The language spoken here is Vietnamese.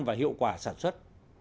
và hiệu quả sản xuất